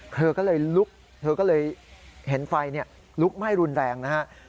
เธอก็เลยลุกเธอก็เลยเห็นไฟลุกไหม้รุนแรงนะฮะ